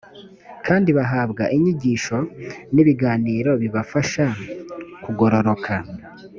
kandi bahabwa inyigisho n’ ibiganiro bibafasha kugororoka